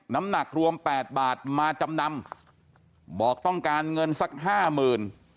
น้ำหนักรวมแปดบาทมาจำนำบอกต้องการเงินสักห้าหมื่น